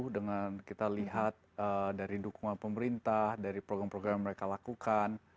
dengan kita lihat dari dukungan pemerintah dari program program yang mereka lakukan